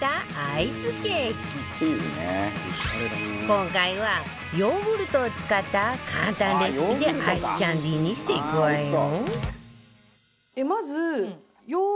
今回はヨーグルトを使った簡単レシピでアイスキャンディーにしていくわよ